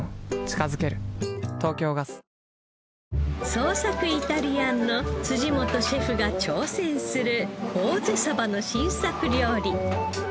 創作イタリアンの辻本シェフが挑戦するぼうぜの新作料理。